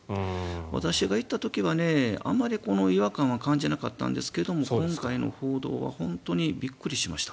私が行った時は、あまり違和感は感じなかったんですが今回の報道は本当にびっくりしました。